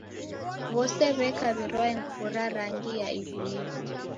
W'ose w'eka w'irwae nguw'o ra rangi ya ivu-ivu.